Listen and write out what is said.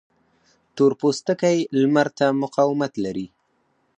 تور پوستکی لمر ته مقاومت لري